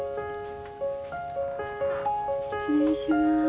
失礼します。